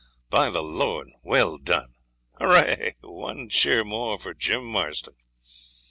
By the Lord, well done! Hurrah! One cheer more for Jim Marston!'